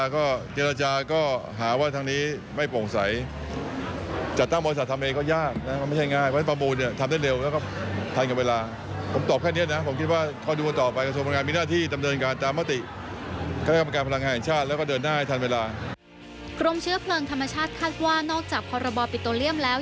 กรมเชื้อเพลิงธรรมชาติคาดว่านอกจากพรบปิโตเลียมแล้ว